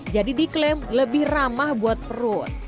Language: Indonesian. jadi diklaim lebih ramah buat perut